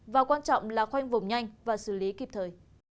và quan trọng là khoanh vùng nhanh và xử lý kịp thời